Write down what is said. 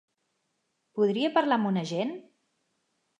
Podria parlar amb un agent?